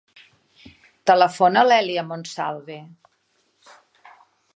Telefona a l'Èlia Monsalve.